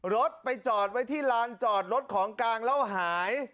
รถไปจอดไว้ที่ลานจอดรถของกลางแล้วหาย